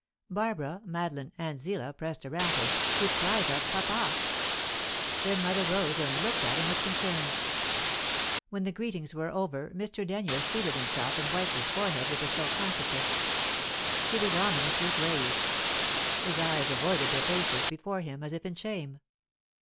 Barbara, Madeline, and Zillah pressed around him, with cries of "Papa!" Their mother rose and looked at him with concern. When the greetings were over, Mr. Denyer seated himself and wiped his forehead with a silk handkerchief. He was ominously grave. His eyes avoided the faces before him, as if in shame.